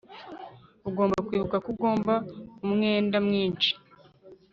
ugomba kwibuka ko ugomba umwenda mwinshi